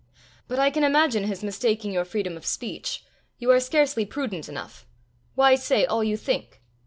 But I can imagine his mistaking your freedom of speech: you are scarcely prudent enough. Why say all you think?"